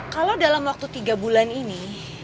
kalau dalam waktu tiga bulan ini